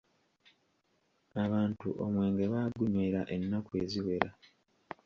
Abantu omwenge baagunywera ennaku eziwera.